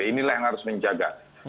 inilah yang harus menjaga